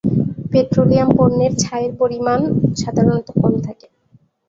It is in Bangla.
পেট্রোলিয়াম পণ্যের ছাইয়ের পরিমাণ সাধারণত কম থাকে।